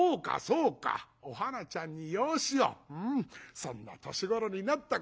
そんな年頃になったか。